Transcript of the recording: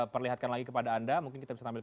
perlihatkan lagi kepada anda mungkin kita bisa ambil